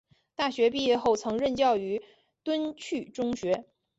大学毕业后曾任教于敦叙中学。